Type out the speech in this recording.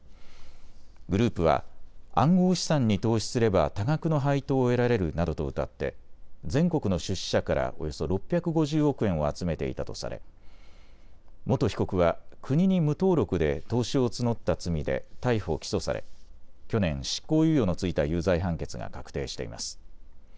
グループは暗号資産に投資すれば多額の配当を得られるなどとうたって全国の出資者からおよそ６５０億円を集めていたとされ元被告は国に無登録で投資を募った罪で逮捕・起訴され去年、執行猶予の付いた有罪判決が確定しています。